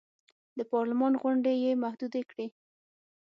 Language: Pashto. د پارلمان غونډې یې محدودې کړې.